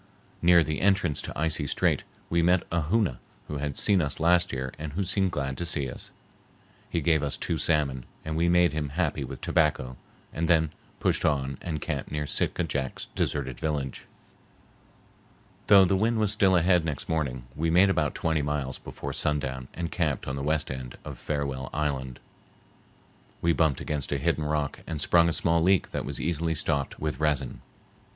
Near the entrance to Icy Strait we met a Hoona who had seen us last year and who seemed glad to see us. He gave us two salmon, and we made him happy with tobacco and then pushed on and camped near Sitka Jack's deserted village. Though the wind was still ahead next morning, we made about twenty miles before sundown and camped on the west end of Farewell Island. We bumped against a hidden rock and sprung a small leak that was easily stopped with resin.